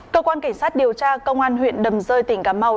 cơ quan cảnh sát điều tra công an huyện đầm rơi tỉnh cà mau